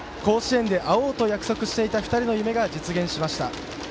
甲子園で会おうと約束していた２人の夢が実現しました。